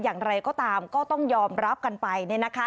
อย่างไรก็ตามก็ต้องยอมรับกันไปเนี่ยนะคะ